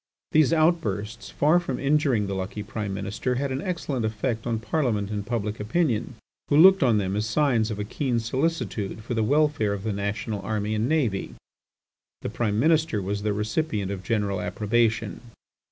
These outbursts, far from injuring the lucky Prime Minister, had an excellent effect on Parliament and public opinion, who looked on them as signs of a keen solicitude for the welfare of the national army and navy. The Prime Minister was the recipient of general approbation.